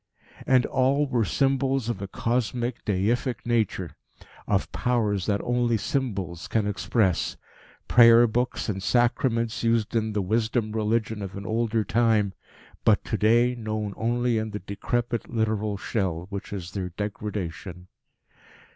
And all were symbols of a cosmic, deific nature; of Powers that only symbols can express prayer books and sacraments used in the Wisdom Religion of an older time, but to day known only in the decrepit, literal shell which is their degradation.